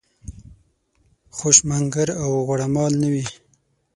خوشامنګر او غوړه مال نه وي.